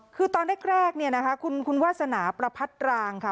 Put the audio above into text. คือตอนแรกเนี่ยนะคะคุณวาสนาประพัดรางค่ะ